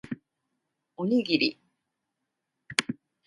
おにぎり